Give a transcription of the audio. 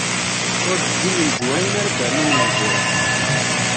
Ur d-ǧǧin imezwura ayen ara ad rnun ineggura.